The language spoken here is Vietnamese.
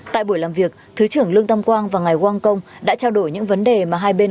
tại buổi làm việc thứ trưởng lương tâm quang và ngài wang kong đã trao đổi những vấn đề mà hai bên